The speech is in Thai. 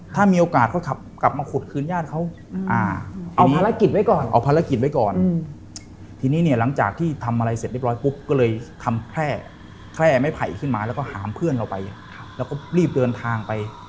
ถ้ามีโอกาสก็กลับมาขุดคืนญาติเขา